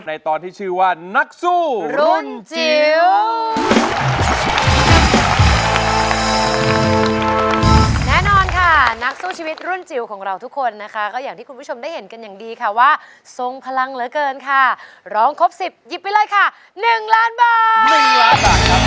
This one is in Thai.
แน่นอนค่ะนักสู้ชีวิตรุ่นจิ๋วของเราทุกคนนะคะก็อย่างที่คุณผู้ชมได้เห็นกันอย่างดีค่ะว่าทรงพลังเหลือเกินค่ะร้องครบสิบหยิบไปเลยค่ะหนึ่งล้านบาท